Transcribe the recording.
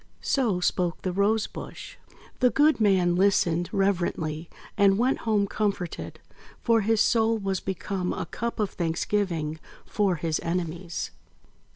So spoke the Rose bush. The good Man listened reverently, and went home comforted; for his Soul was become a Cup of Thanksgiving for his enemies.